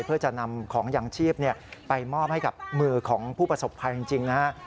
เพื่อจะนำของยางชีพไปมอบให้กับมือของผู้ประสบภัยจริงนะฮะ